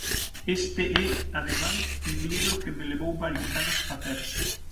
Este é, ademais, un libro que me levou varios anos facer.